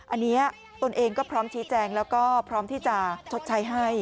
อันนี้ตนเองก็พร้อมชี้แจงแล้วก็พร้อมที่จะชดใช้ให้